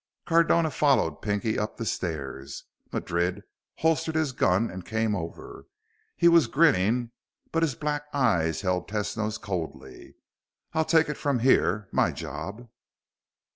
Cardona followed Pinky up the stairs. Madrid holstered his gun and came over. He was grinning, but his black eyes held Tesno's coldly. "I'll take it from here. My job."